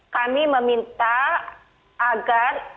kami meminta agar